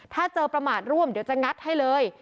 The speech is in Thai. ถ้าเจอประมาทร่วมเดี๋ยวจะงัดให้เลย